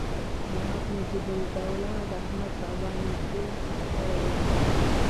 نواب نجیب الدوله د احمدشاه بابا نږدې ملاتړی و.